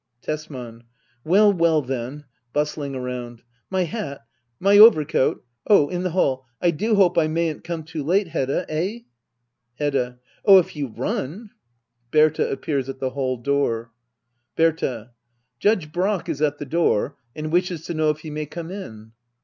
Tesman. Well, well, then ! [Bustling around,] My hat } My overcoat ? Oh, in the hall . I do hope I mayn't come too late, Hedda! Eh .> Hedda. Oh, if you run [Berta appears at the hall door. Berta. Judge Brack is at the door, and wishes to know if he may come in.